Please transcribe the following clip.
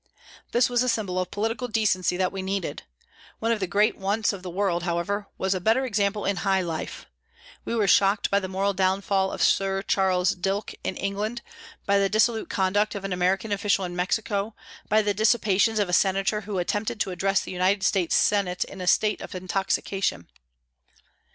This was a symbol of political decency that we needed. One of the great wants of the world, however, was a better example in "high life." We were shocked by the moral downfall of Sir Charles Dilke in England, by the dissolute conduct of an American official in Mexico, by the dissipations of a Senator who attempted to address the United States Senate in a state of intoxication.